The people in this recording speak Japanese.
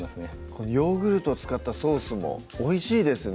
このヨーグルト使ったソースもおいしいですね